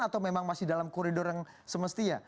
atau memang masih dalam koridor yang semestinya